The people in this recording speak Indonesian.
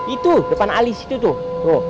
itu depan alis itu tuh